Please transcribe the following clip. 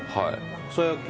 草野球？